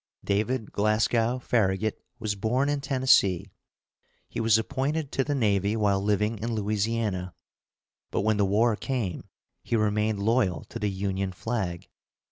David Glasgow Farragut was born in Tennessee. He was appointed to the navy while living in Louisiana, but when the war came he remained loyal to the Union flag.